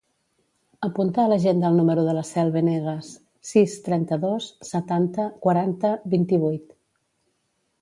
Apunta a l'agenda el número de la Cel Venegas: sis, trenta-dos, setanta, quaranta, vint-i-vuit.